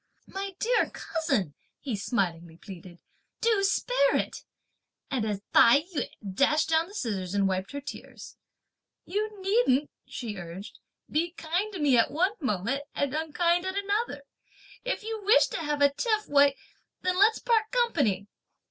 "My dear cousin," he smilingly pleaded, "do spare it!" and as Tai yü dashed down the scissors and wiped her tears: "You needn't," she urged, "be kind to me at one moment, and unkind at another; if you wish to have a tiff, why then let's part company!"